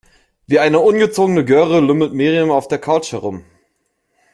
Wie eine ungezogene Göre lümmelt Miriam auf der Couch herum.